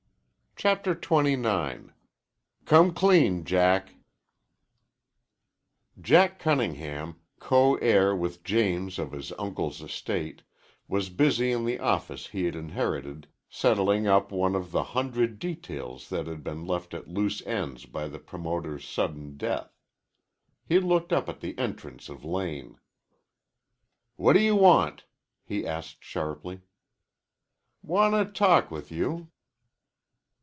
CHAPTER XXIX "COME CLEAN, JACK" Jack Cunningham, co heir with James of his uncle's estate, was busy in the office he had inherited settling up one of the hundred details that had been left at loose ends by the promoter's sudden death. He looked up at the entrance of Lane. "What do you want?" he asked sharply. "Want a talk with you."